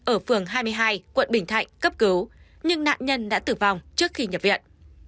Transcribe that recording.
ở phường hai mươi hai quận bình thạnh cấp cứu nhưng nạn nhân đã tử vong trước khi nhập viện